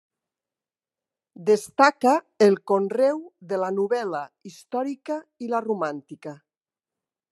Destaca el conreu de la novel·la històrica i la romàntica.